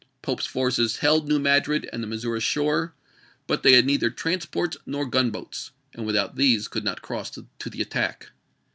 Pope's forces held New Madrid and the Missouri shore, but they had neither transports nor gunboats, and without these could not cross to the attack.